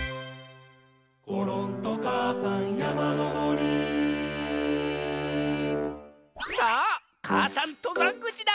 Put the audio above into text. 「ころんとかあさんやまのぼり」さあ母山とざんぐちだ。